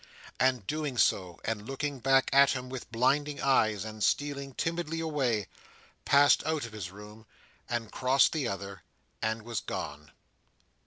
And doing so, and looking back at him with blinded eyes, and stealing timidly away, passed out of his room, and crossed the other, and was gone.